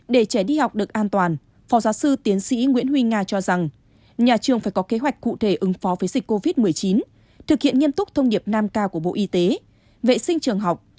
để trẻ đi học được an toàn phó giáo sư tiến sĩ nguyễn huy nga cho rằng nhà trường phải có kế hoạch cụ thể ứng phó với dịch covid một mươi chín thực hiện nghiêm túc thông điệp năm k của bộ y tế vệ sinh trường học